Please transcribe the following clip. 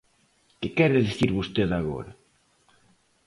¿Que quere dicir vostede agora?